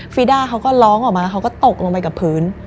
ีด้าเขาก็ร้องออกมาเขาก็ตกลงไปกับพื้น